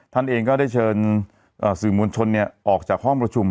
ท่านเองก็ได้เชิญสื่อมวลชนออกจากห้องประชุม